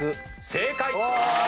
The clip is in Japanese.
正解！